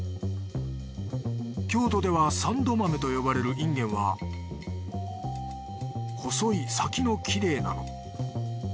京都では三度豆と呼ばれるインゲンは細い先のきれいなの。